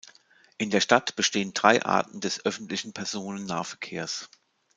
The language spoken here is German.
In der Stadt bestehen drei Arten des öffentlichen Personennahverkehrs.